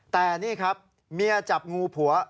แต่นี่ครับเมียจับงูผัว